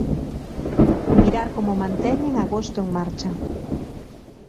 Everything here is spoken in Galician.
Mirar como manteñen agosto en marcha.